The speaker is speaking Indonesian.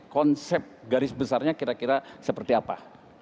konsep garis besarnya kira kira seperti apa